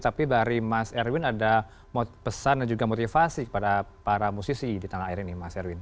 tapi dari mas erwin ada pesan dan juga motivasi kepada para musisi di tanah air ini mas erwin